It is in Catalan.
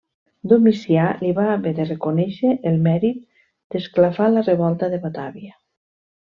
Domicià li va haver de reconèixer el mèrit d'esclafar la Revolta de Batàvia.